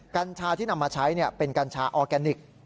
กัญชาที่นำมาใช้เป็นกัญชาออร์แกนิค